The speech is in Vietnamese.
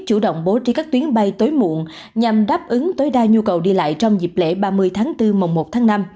chủ động bố trí các tuyến bay tối muộn nhằm đáp ứng tối đa nhu cầu đi lại trong dịp lễ ba mươi tháng bốn mùa một tháng năm